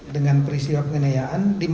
dengan peristiwa pengenayaan